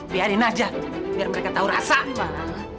biarin aja biar mereka tahu rasa apa